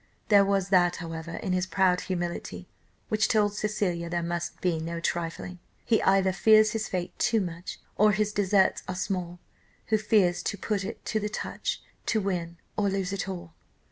There was that, however, in his proud humility, which told Cecilia there must be no trifling. 'He either fears his fate too much, Or his deserts are small, Who fears to put it to the touch, To win or lose it all.